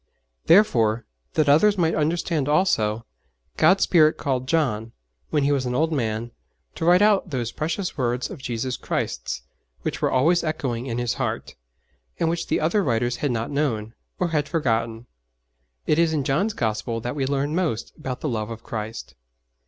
Therefore, that others might understand also, God's Spirit called John, when he was an old man, to write out those precious words of Jesus Christ's which were always echoing in his heart, and which the other writers had not known, or had forgotten. It is in John's Gospel that we learn most about the love of Christ.